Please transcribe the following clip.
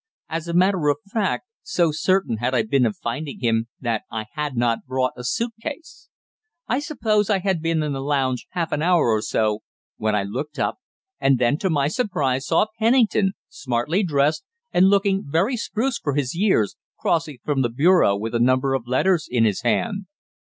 As a matter of fact, so certain had I been of finding him that I had not brought a suit case. I suppose I had been in the lounge half an hour or so, when I looked up, and then, to my surprise, saw Pennington, smartly dressed, and looking very spruce for his years, crossing from the bureau with a number of letters in his hand.